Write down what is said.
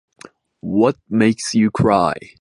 What makes you cry?